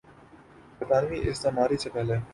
برطانوی استعماری سے پہلے